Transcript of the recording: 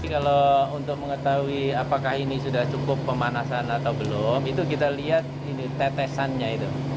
kalau untuk mengetahui apakah ini sudah cukup pemanasan atau belum itu kita lihat ini tetesannya itu